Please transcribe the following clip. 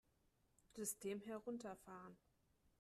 System herunterfahren!